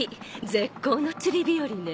絶好の釣り日和ね。